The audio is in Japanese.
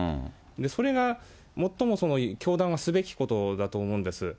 それが最も教団がすべきことだと思うんです。